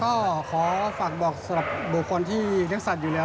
ก็ขอฝากบอกสำหรับบุคคลที่เลี้ยงสัตว์อยู่แล้ว